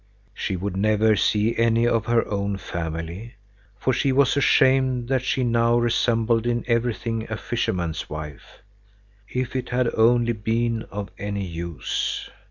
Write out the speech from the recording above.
She would never see any of her own family, for she was ashamed that she now resembled in everything a fisherman's wife. If it had only been of any use!